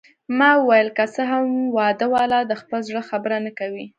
ما وویل: که څه هم واده والا د خپل زړه خبره نه کوي.